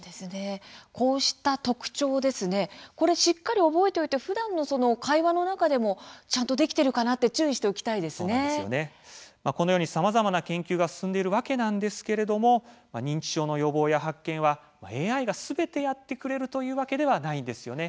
こうした特徴しっかり覚えておいてふだんの会話の中でもちゃんとできているかこのようにさまざまな研究が進んでいるわけなんですけれども認知症の予防や発見というのはＡＩがすべてやってくれるというわけではないんですよね。